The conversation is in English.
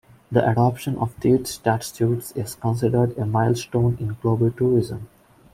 The adoption of these Statutes is considered a milestone in global tourism.